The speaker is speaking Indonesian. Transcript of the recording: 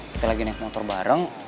kita lagi naik motor bareng